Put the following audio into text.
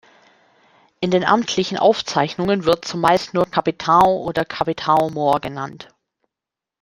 In den amtlichen Aufzeichnungen wird zumeist nur „capitão“ oder „capitão-mor“ genannt.